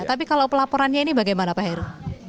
tapi kalau pelaporannya ini bagaimana pak heru